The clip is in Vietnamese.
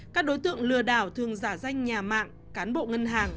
các đối tượng lừa đảo thường giả danh nhà mạng cán bộ ngân hàng